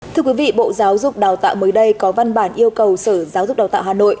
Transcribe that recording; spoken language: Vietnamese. thưa quý vị bộ giáo dục đào tạo mới đây có văn bản yêu cầu sở giáo dục đào tạo hà nội